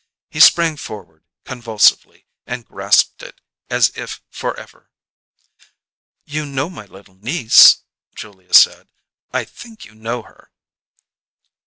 He sprang forward convulsively and grasped it, as if forever. "You see my little niece?" Julia said. "I think you know her."